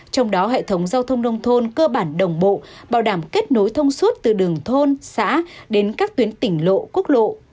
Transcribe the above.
trong đó hệ thống giao thông nông thôn cơ bản đồng bộ bảo đảm kết nối thông suốt từ đường thôn xã đến các tuyến tỉnh lộ quốc lộ